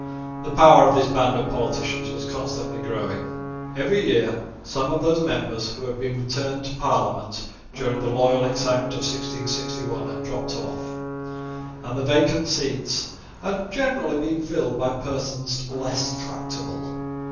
The power of this band of politicians was constantly growing. Every year some of those members who had been returned to Parliament during the loyal excitement of 1661 had dropped off; and the vacant seats had generally been filled by persons less tractable.